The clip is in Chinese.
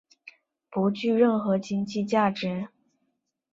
不具任何经济价值。